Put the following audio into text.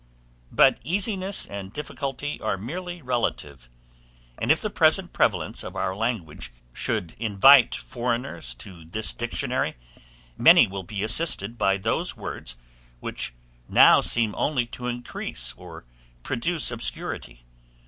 But easiness and difficulty are merely relative; and if the present prevalence of our language should invite foreigners to this Dictionary, many will be assisted by those words which now seem only to increase or produce obscurity.